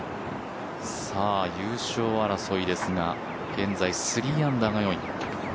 優勝争いですが現在３アンダー、４位。